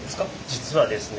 実はですね